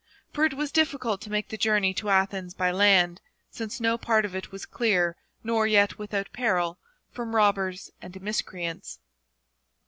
For it was difficult to make the journey to Athens by land, since no part of it was clear nor yet without peril from robbers and miscreants.